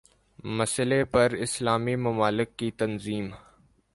مسئلے پر اسلامی ممالک کی تنظیم